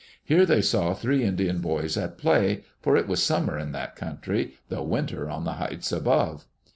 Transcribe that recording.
Here they saw three Indian boys at play, for it was summer in that country, though winter on the heights above.